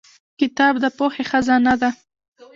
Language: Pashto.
• کتاب د پوهې خزانه ده.